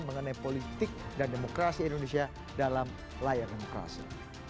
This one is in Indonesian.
mengenai politik dan demokrasi indonesia dalam layar demokrasi